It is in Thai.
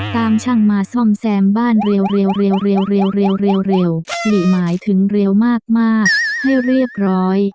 ช่างมาซ่อมแซมบ้านเร็วหลีหมายถึงเร็วมากให้เรียบร้อย